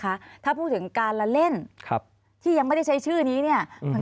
คะถ้าพูดถึงการละเล่นครับที่ยังไม่ได้ใช้ชื่อนี้เนี่ยมัน